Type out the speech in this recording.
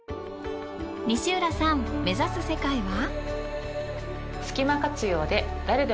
西浦さん目指す世界は？